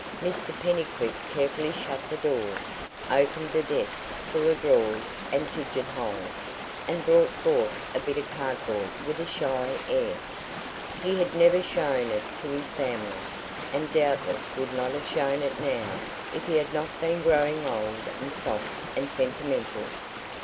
Mr Pennycuick carefully shut the door, opened a desk full of drawers and pigeon holes, and brought forth a bit of cardboard with a shy air. He had never shown it to his family, and doubtless would not have shown it now if he had not been growing old and soft and sentimental.